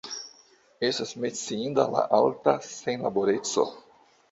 Estas menciinda la alta senlaboreco.